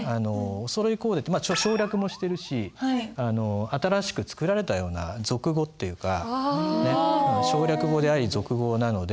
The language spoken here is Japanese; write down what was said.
「お揃いコーデ」って省略もしてるし新しく作られたような俗語っていうか省略語であり俗語なので。